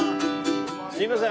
すみません